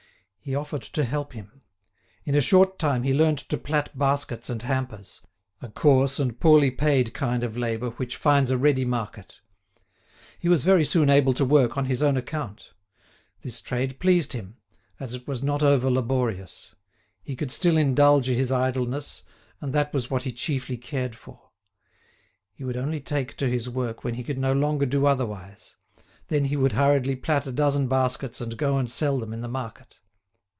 He offered to help him. In a short time he learnt to plait baskets and hampers—a coarse and poorly paid kind of labour which finds a ready market. He was very soon able to work on his own account. This trade pleased him, as it was not over laborious. He could still indulge his idleness, and that was what he chiefly cared for. He would only take to his work when he could no longer do otherwise; then he would hurriedly plait a dozen baskets and go and sell them in the market.